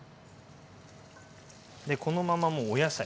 でこのままもうお野菜。